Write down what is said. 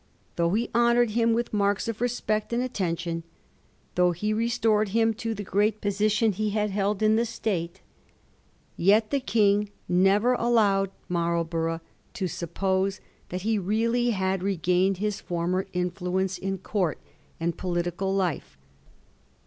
Though he honoured him with marks of respect and attention, though he restored him to the great position he had held in the State, yet the King never allowed Marl borough to suppose that he reaUy had regained his former influence in court and political life.